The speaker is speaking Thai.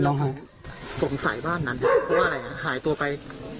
ทำไมคุณสงสัยบ้านนั้นเพราะอะไรหายตัวไป